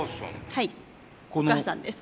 はいお母さんです。